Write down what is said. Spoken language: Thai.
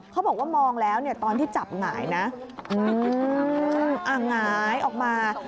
เขาบอกว่ามองแล้วเนี่ยตอนที่จับหงายนะหงายออกมา